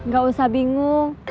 gak usah bingung